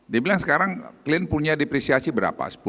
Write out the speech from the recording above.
dia bilang sekarang klien punya dipresiasi berapa